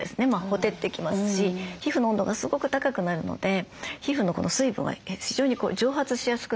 ほてってきますし皮膚の温度がすごく高くなるので皮膚の水分が非常に蒸発しやすくなるんですよ。